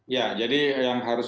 ya jadi yang harus